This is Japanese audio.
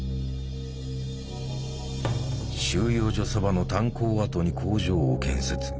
収容所そばの炭鉱跡に工場を建設。